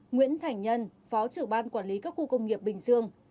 nguyễn thành nhân phó trưởng ban quản lý các khu công nghiệp bình dương